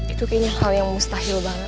itu kayaknya hal yang mustahil banget